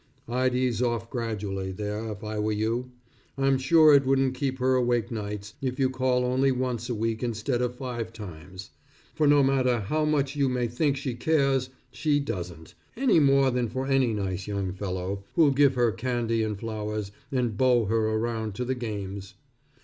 I'd ease off gradually, there, if I were you. I'm sure it won't keep her awake nights, if you call only once a week instead of five times. For no matter how much you may think she cares, she doesn't, any more than for any nice young fellow, who'll give her candy and flowers, and beau her around to the games.